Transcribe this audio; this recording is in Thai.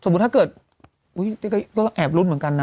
อวุ้ยก็แอบรุ่นเหมือนกันนะ